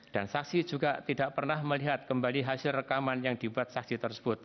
dan saksi juga tidak pernah melihat kembali hasil rekaman yang dibuat saksi tersebut